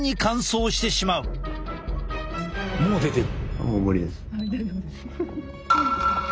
もう出てる。